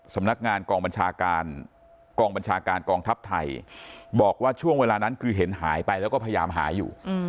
สำนักงานกองบัญชาการกองบัญชาการกองทัพไทยบอกว่าช่วงเวลานั้นคือเห็นหายไปแล้วก็พยายามหาอยู่